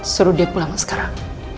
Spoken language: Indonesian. suruh dia pulang sekarang